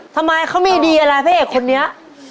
ทำไมเขามีดีอะไรพระเอกคนนี้